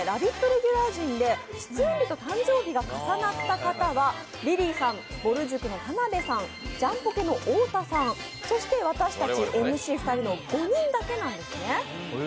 レギュラー陣で出演日と誕生日が重なった方はリリーさん、ぼる塾の田辺さん、ジャンポケの太田さんそして、私たちＭＣ２人の５人だけなんですね。